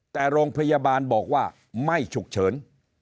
แต่โรงพยาบาลบอกว่าไม่ฉุกเฉิน